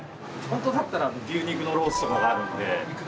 ホントだったら牛肉のロースとかあるんで。